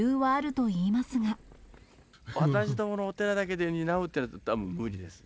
私どものお寺だけで担うというのは、無理です。